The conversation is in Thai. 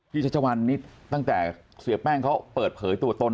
ชัชวัลนี่ตั้งแต่เสียแป้งเขาเปิดเผยตัวตน